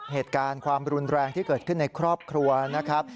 เหตุการณ์ความรุนแรงที่เกิดขึ้นในครอบครัวนะครับ